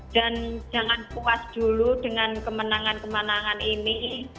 dan jangan puas dulu dengan kemenangan kemenangan ini